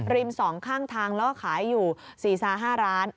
๒ข้างทางแล้วก็ขายอยู่๔๕ร้าน